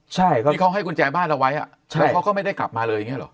ใช่ก็เขาให้กุญแจบ้านตะไว้จะมาก็ไม่ได้กลับมาเลยเนี่ย